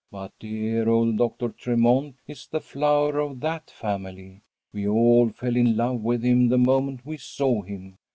But dear old Doctor Tremont is the flower of that family. We all fell in love with him the moment we saw him.